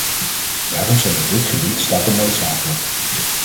Daarom zijn op dit gebied stappen noodzakelijk.